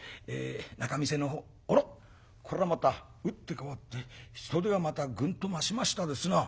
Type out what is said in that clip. あらこれはまた打って変わって人出がまたぐんと増しましたですな。